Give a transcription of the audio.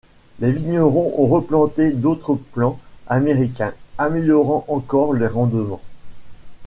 Les vignerons ont replantés d'autres plants américains, améliorant encore les rendements.